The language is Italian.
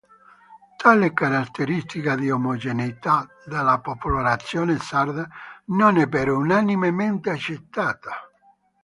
Tale caratteristica di omogeneità della popolazione sarda non è però unanimemente accettata.